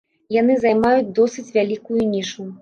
Яны займаюць досыць вялікую нішу.